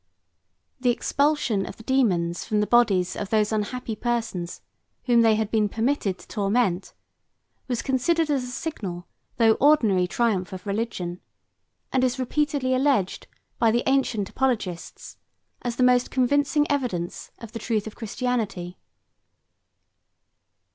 The expulsion of the dæmons from the bodies of those unhappy persons whom they had been permitted to torment, was considered as a signal though ordinary triumph of religion, and is repeatedly alleged by the ancient apoligists, as the most convincing evidence of the truth of Christianity.